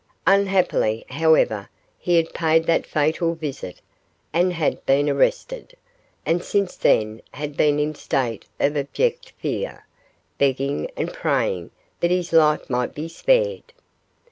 Unhappily, however, he had paid that fatal visit and had been arrested, and since then had been in a state of abject fear, begging and praying that his life might be spared.